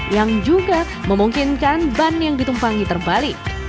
yang juga memungkinkan ban yang ditumpangi terbalik